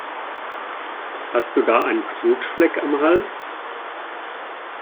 Hast du da einen Knutschfleck am Hals?